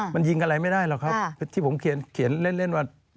มันยิงอะไรไม่ได้หรอกครับที่ผมเขียนเล่นว่า